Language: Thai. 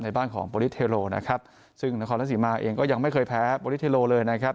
บ้านของโปรลิสเทโลนะครับซึ่งนครราชสีมาเองก็ยังไม่เคยแพ้โบลิเทโลเลยนะครับ